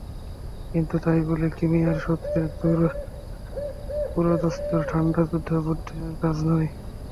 কিন্তু তাই বলে ক্রিমিয়ার সূত্রে পুরোদস্তুর ঠান্ডা যুদ্ধ বুদ্ধিমানের কাজ নয়।